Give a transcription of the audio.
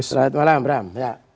selamat malam bram